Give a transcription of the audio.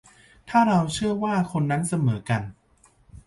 ถ้าเราเชื่อว่าคนนั้นเสมอกัน ?